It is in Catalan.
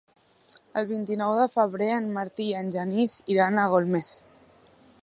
El vint-i-nou de febrer en Martí i en Genís iran a Golmés.